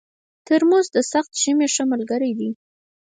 ترموز د سخت ژمي ښه ملګری دی.